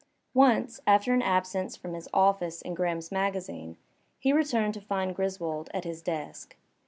Once, after an absence from his office in OraJumCs Magazine^ he returned to find Griswold at his desk.